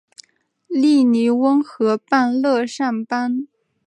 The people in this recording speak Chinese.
利尼翁河畔勒尚邦。